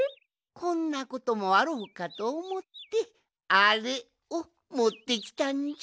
こんなこともあろうかとおもってアレをもってきたんじゃ。